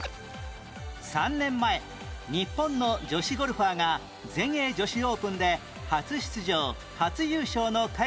３年前日本の女子ゴルファーが全英女子オープンで初出場・初優勝の快挙を達成